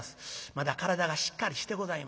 まだ体がしっかりしてございません。